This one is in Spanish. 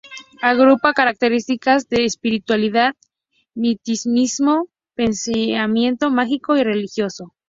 Agrupa características de espiritualidad, misticismo, pensamiento mágico y religioso.